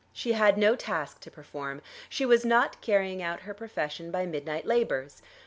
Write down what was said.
She had no task to perform. She was not carrying out her profession by midnight labours.